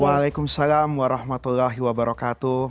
waalaikumsalam warahmatullahi wabarakatuh